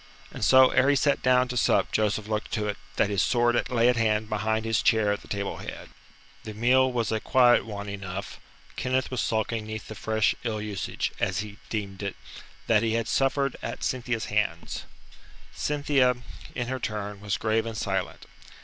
And so ere he sat down to sup Joseph looked to it that his sword lay at hand behind his chair at the table head. The meal was a quiet one enough. Kenneth was sulking 'neath the fresh ill usage as he deemed it that he had suffered at Cynthia's hands. Cynthia, in her turn, was grave and silent.